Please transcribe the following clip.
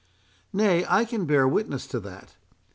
"Nay, I can bear witness to that.